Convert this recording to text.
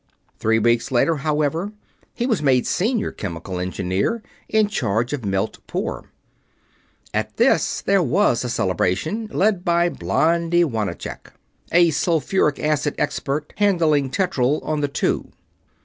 Three weeks later, however, he was made Senior Chemical Engineer, in charge of Melt Pour. At this there was a celebration, led by "Blondie" Wanacek, a sulphuric acid expert handling tetryl on the Two.